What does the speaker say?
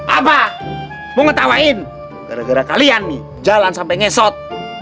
apa mau ngetawain gara gara kalian nih jalan sampai ngesot